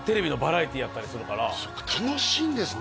楽しいんですね